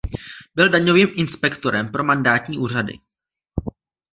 Byl daňovým inspektorem pro mandátní úřady.